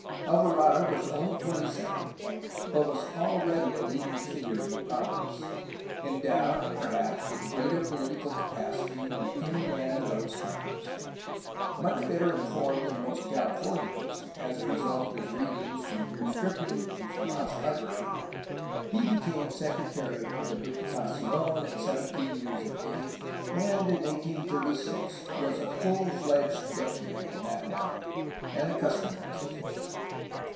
Alvarado was only twenty seven, but was already a leading figure in the province, endowed perhaps with greater political capacity than any man of those times. Much better informed than most Californians, as a result of his readings (when a mere stripling) in Sola's hbrary, he became secretary of the Diputacion at seventeen years of age, and in 1836 was a full fledged deputy in that body and a cus tom house official.